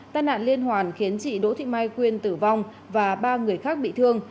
tai nạn liên hoàn khiến chị đỗ thị mai quyên tử vong và ba người khác bị thương